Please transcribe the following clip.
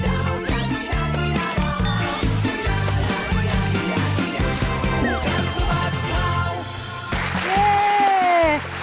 จากนี้ได้